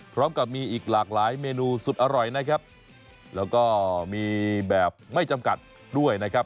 พร้อมกับมีอีกหลากหลายเมนูสุดอร่อยนะครับแล้วก็มีแบบไม่จำกัดด้วยนะครับ